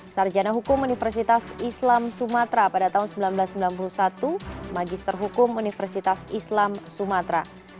sarjana hukum universitas islam sumatera pada tahun seribu sembilan ratus sembilan puluh satu magister hukum universitas islam sumatera